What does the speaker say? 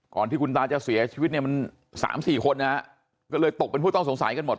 ที่คุณตาจะเสียชีวิตเนี่ยมันสามสี่คนนะฮะก็เลยตกเป็นผู้ต้องสงสัยกันหมด